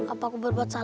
apa aku berbuat sesuatu